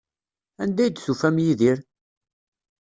Anda ay d-tufam Yidir?